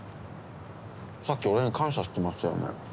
さっき俺に感謝してましたよね？